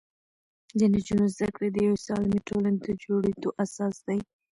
د نجونو زده کړې د یوې سالمې ټولنې د جوړېدو اساس دی.